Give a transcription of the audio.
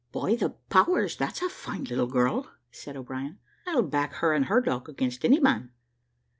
"By the powers, that's a fine little girl!" said O'Brien; "I'll back her and her dog against any man.